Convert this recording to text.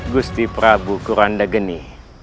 gusti prabu kurandageni